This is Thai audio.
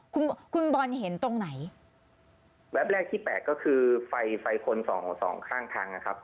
คุณคุณบอลเห็นตรงไหนแวบแรกที่แปลกก็คือไฟไฟคนสองสองข้างทางนะครับ